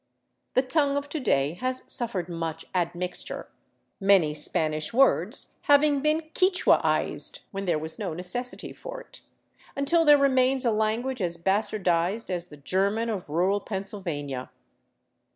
The tongue of to day has suffered much admixture, many Spanish words having been " quichuaized '' when there was no necessity for it, until there remains a language as bastardized as the German " of rural Pennsylvania.